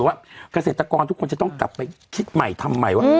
ว่าเกษตรกรทุกคนจะต้องกลับไปคิดใหม่ทำใหม่ว่า